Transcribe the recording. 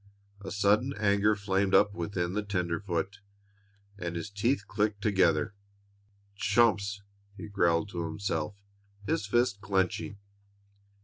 A sudden anger flamed up within the tenderfoot, and his teeth clicked together. "Chumps!" he growled to himself, his fists clenching.